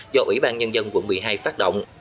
do ủy ban nhân dân quận một mươi hai phát động